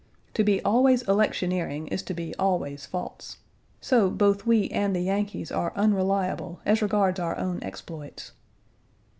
To be always electioneering is to be always false; so both we and the Yankees are unreliable as regards our own exploits.